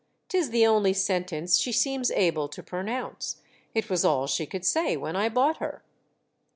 " Tis the only sentence she seems able to pronounce. It was all she could say when I bought her."